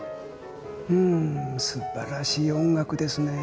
うーん素晴らしい音楽ですね。